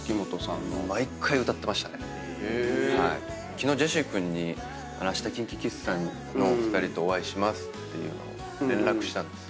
昨日ジェシー君にあしたＫｉｎＫｉＫｉｄｓさんのお二人とお会いしますっていうのを連絡したんですよ。